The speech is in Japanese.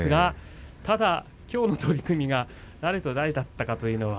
ただ、きょうの取組が誰と誰だったかというのは。